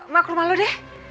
ma ke rumah lo deh